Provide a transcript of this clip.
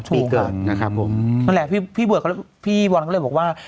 ปีเกิดนะครับผมนั่นแหละพี่เบิร์ดเขาพี่บอลก็เลยบอกว่า